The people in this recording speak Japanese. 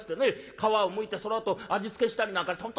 皮をむいてそのあと味付けしたりなんかして本当大変なんですから。